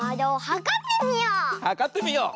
はかってみよう！